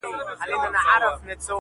چی په عُقدو کي عقیدې نغاړي تر عرسه پوري.